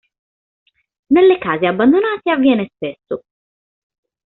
Nelle case abbandonate avviene spesso.